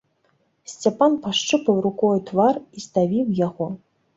Сцяпан пашчупаў рукою твар і здавіў яго.